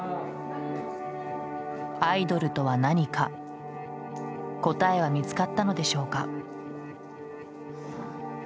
アイドルとは何か答えは見つかったのでしょうか。